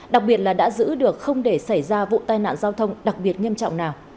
đặc biệt là đã giữ được không để xảy ra vụ tai nạn giao thông đặc biệt nghiêm trọng nào